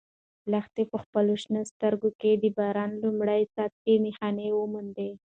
لښتې په خپلو شنه سترګو کې د باران د لومړي څاڅکي نښان وموند.